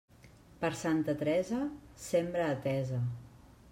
Per Santa Teresa, sembra a tesa.